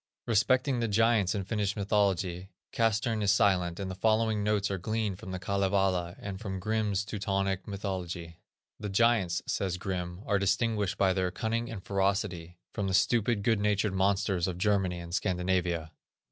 Respecting the giants of Finnish mythology, Castrén is silent, and the following notes are gleaned from the Kalevala, and from Grimm's Teutonic Mythology. "The giants," says Grimm, "are distinguished by their cunning and ferocity from the stupid, good natured monsters of Germany and Scandinavia."